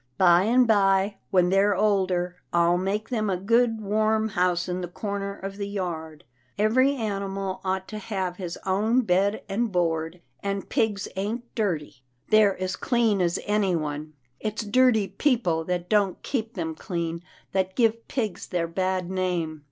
By and by, when they're older, I'll make them a good, warm house in the corner of the yard. Every animal ought to have his own bed and board, and pigs ain't dirty. They're as clean as anyone. It's dirty peo ple, that don't keep them clean, that give pigs their bad name."